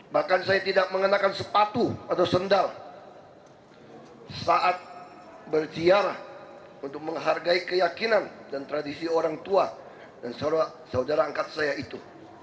bahkan saya tidak mengenakan sepatu atau sendal saat berziarah untuk menghargai keyakinan dan tradisi orang tua dan saudara angkat saya itu